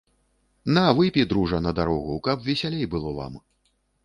На, выпі, дружа, на дарогу, каб весялей было вам.